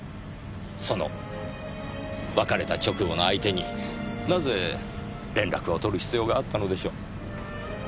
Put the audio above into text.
その別れた直後の相手になぜ連絡を取る必要があったのでしょう？